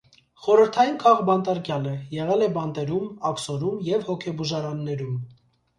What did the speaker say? Խորհրդային քաղբանտարկյալ է. եղել է բանտերում, աքսորում և հոգեբուժարաններում։